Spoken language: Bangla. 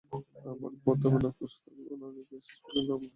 আবার প্রথমে নাখোশ থাকলেও রানীকে শেষ পর্যন্ত আপনই করে নিয়েছিল চোপড়া পরিবার।